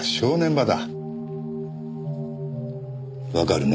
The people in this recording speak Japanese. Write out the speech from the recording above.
わかるね？